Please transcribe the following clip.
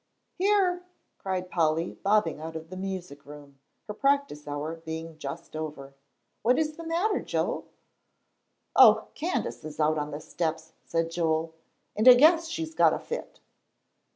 "Here!" cried Polly, bobbing out of the music room, her practice hour being just over. "What is the matter, Joe?" "Oh, Candace is out on the steps," said Joel, "and I guess she's got a fit."